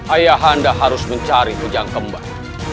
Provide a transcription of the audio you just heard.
ayah anda harus mencari kujang kembar